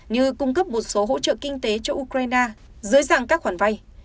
như cung cấp một số hỗ trợ kinh tế cho ukraine dưới dạng các khoản vay